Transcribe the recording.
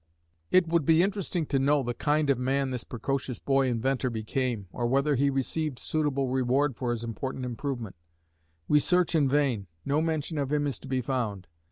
It would be interesting to know the kind of man this precocious boy inventor became, or whether he received suitable reward for his important improvement. We search in vain; no mention of him is to be found.